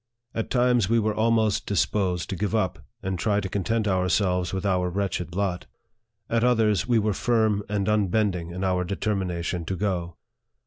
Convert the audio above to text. At times we were almost disposed to give up, and try to content ourselves with our wretched lot ; at others, we were firm and unbending in our determination to go.